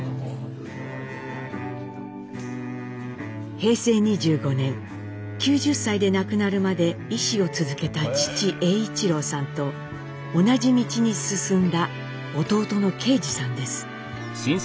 平成２５年９０歳で亡くなるまで医師を続けた父栄一郎さんと同じ道に進んだ弟の啓二さんです。